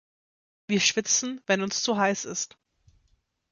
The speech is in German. Wir schwitzen, wenn uns zu heiß ist.